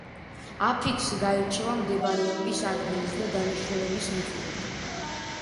აფიქსი გაირჩევა მდებარეობის ადგილის და დანიშნულების მიხედვით.